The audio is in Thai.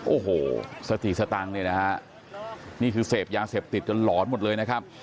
โอ้โหสติสตังค์เนี่ยนะฮะนี่คือเสพยาเสพติดจนหลอนหมดเลยนะครับ